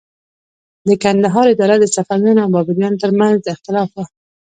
د کندهار اداره د صفویانو او بابریانو تر منځ د اختلاف وه.